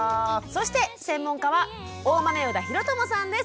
そして専門家は大豆生田啓友さんです。